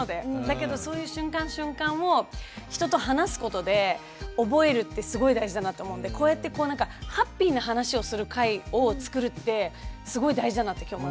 だけどそういう瞬間瞬間を人と話すことで覚えるってすごい大事だなと思ってこうやってこうなんかハッピーな話をする回をつくるってすごい大事だなって今日思いました。